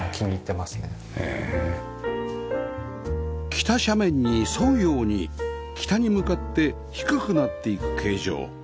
北斜面に沿うように北に向かって低くなっていく形状